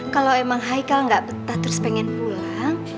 kalau emang haikal nggak betah terus pengen pulang